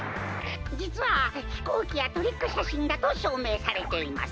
じつはひこうきやトリックしゃしんだとしょうめいされています。